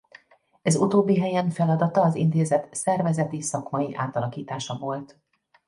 Ez utóbbi helyen feladata az intézet szervezeti-szakmai átalakítása volt.